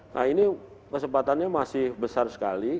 nah ini kesempatannya masih besar sekali